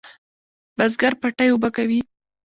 بزگر پټی اوبه کوي.